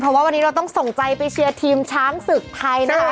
เพราะว่าวันนี้เราต้องส่งใจไปเชียร์ทีมช้างศึกไทยนะคะ